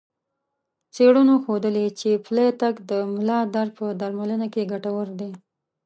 څېړنو ښودلي چې پلی تګ د ملا درد په درملنه کې ګټور دی.